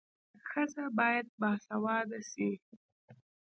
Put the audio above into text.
ښځه باید باسواده سي.